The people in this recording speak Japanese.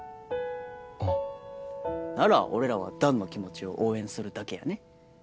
うんなら俺らは弾の気持ちを応援するだけやね